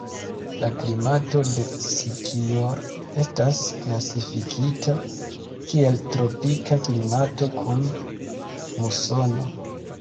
La klimato de Sikijor estas klasifikita kiel tropika klimato kun musono.